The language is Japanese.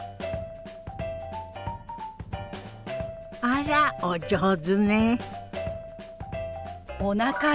あらお上手ね。